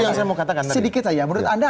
itu yang saya mau katakan tadi